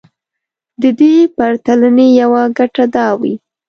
د دې پرتلنې يوه ګټه دا وي.